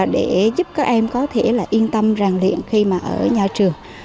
để giúp các em có thể là yên tâm ràng luyện khi mà ở nhà trường